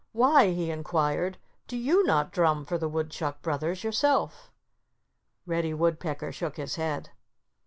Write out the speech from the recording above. "Why," he inquired, "do you not drum for the Woodchuck brothers yourself?" Reddy Woodpecker shook his head.